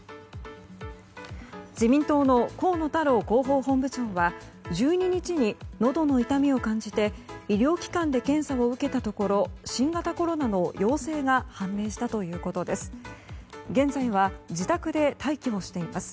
自民党の河野太郎広報本部長は１２日にのどの痛みを感じて医療機関で検査を受けたところ新型コロナの陽性が判明したということです。